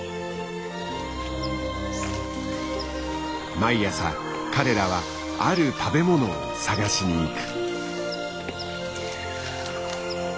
毎朝彼らはある食べ物を探しに行く。